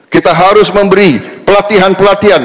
kita harus memberi pelatihan pelatihan